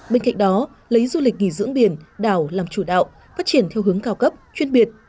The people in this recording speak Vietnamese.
bên cạnh đó lấy du lịch nghỉ dưỡng biển đảo làm chủ đạo phát triển theo hướng cao cấp chuyên biệt